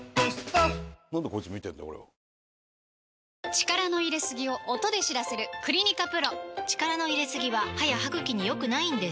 力の入れすぎを音で知らせる「クリニカＰＲＯ」力の入れすぎは歯や歯ぐきに良くないんです